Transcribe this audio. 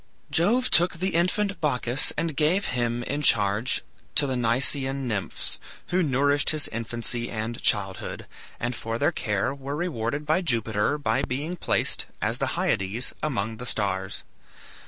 Jove took the infant Bacchus and gave him in charge to the Nysaean nymphs, who nourished his infancy and childhood, and for their care were rewarded by Jupiter by being placed, as the Hyades, among the stars.